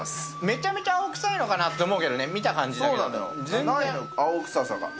めちゃめちゃ青臭いのかなって思うけど見た感じだけだと。